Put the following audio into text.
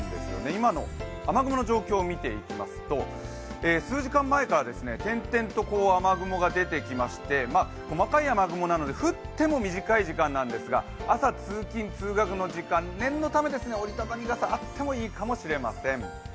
今の雨雲の状況を見ていきますと数時間前から点々と雨雲が出てきまして、細かい雨雲なので降っても短い時間なんですが朝、通勤・通学の時間、念のためですが折り畳み傘、あってもいいかもしれません。